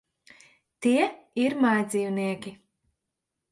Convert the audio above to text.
Tie ir mājdzīvnieki.